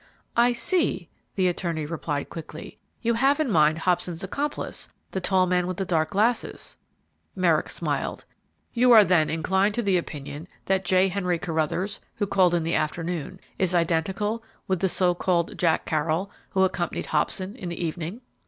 "I see," the attorney replied quickly; "you have in mind Hobson's accomplice, the tall man with dark glasses." Merrick smiled. "You are then inclined to the opinion that J. Henry Carruthers, who called in the afternoon, is identical with the so called Jack Carroll who accompanied Hobson in the evening?"